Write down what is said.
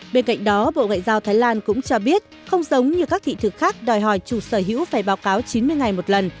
bên cạnh đó bộ ngoại giao thái lan cũng cho biết không giống như các thị thực khác đòi hỏi chủ sở hữu phải báo cáo chín mươi ngày một lần